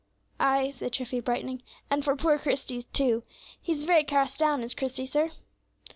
"Ay," said Treffy, brightening, "and for poor Christie too; he's very cast down, is Christie, sir."